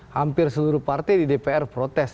hampir seluruh partai di dpr protes